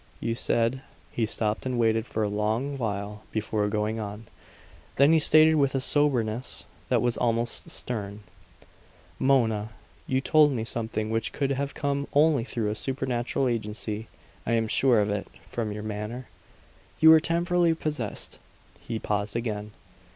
"You said " He stopped and waited a long while before going on. Then he stated with a soberness that was almost stern: "Mona, you told me something which could have come only through a supernatural agency. I am sure of it, from your manner. You were temporarily possessed." He paused again.